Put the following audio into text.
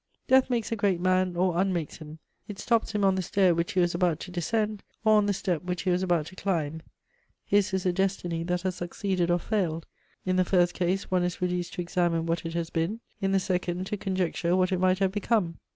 Death makes a great man or unmakes him; it stops him on the stair which he was about to descend, or on the step which he was about to climb: his is a destiny that has succeeded or failed; in the first case, one is reduced to examine what it has been, in the second to conjecture what it might have become.